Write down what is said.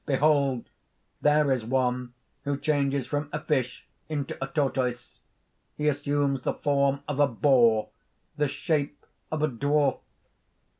Behold, there is one who changes from a fish into a tortoise: he assumes the form of a boar, the shape of a dwarf."